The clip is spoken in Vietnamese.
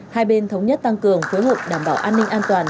hai bên thống nhất tăng cường phối hợp đảm bảo an ninh an toàn